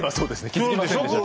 気付きませんでした